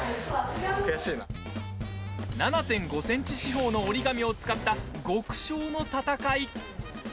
７．５ｃｍ四方の折り紙を使った極小の戦い。